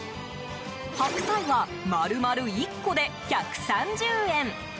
白菜は、丸々１個で１３０円。